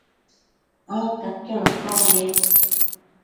ancaquiono caumbi, aid